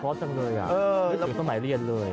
พอจังเลยอะหนึ่งอยู่ทำไมเรียนเลย